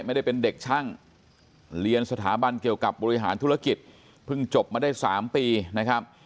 ไม่ได้เป็นเด็กช่างเรียนสถาบันเกี่ยวกับบริหารธุรกิจเพิ่งจบมาได้๓ปีนะครับ